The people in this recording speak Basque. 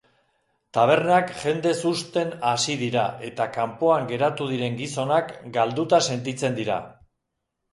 Tabernak jendez husten hasi dira eta kanpoan geratu diren gizonak galduta sentitzen dira.